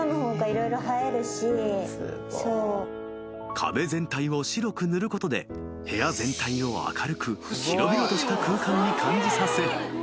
［壁全体を白く塗ることで部屋全体を明るく広々とした空間に感じさせ］